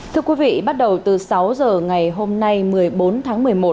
thưa quý vị bắt đầu từ sáu giờ ngày hôm nay một mươi bốn tháng một mươi một